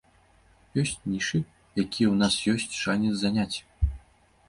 Ёсць нішы, якія ў нас ёсць шанец заняць.